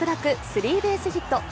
スリーベースヒット。